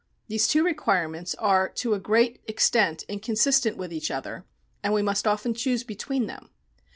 These two requirements are to a great extent inconsistent with each other, and we must often choose between them.